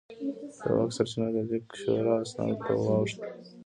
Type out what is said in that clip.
د واک سرچینه د لیک شوو اسنادو ته واوښته.